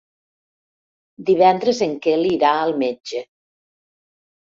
Divendres en Quel irà al metge.